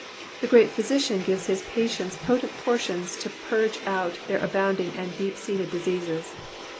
The great physician gives his patients potent potions to purge out their abounding and deep seated diseases.